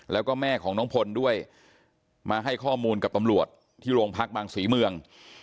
แล้วก็แม่ของน้องพลด้วยมาให้ข้อมูลกับตำรวจที่โรงพักบางศรีเมือง